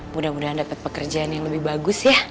mudah mudahan dapat pekerjaan yang lebih bagus ya